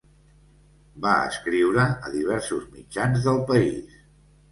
Va escriure a diversos mitjans del país.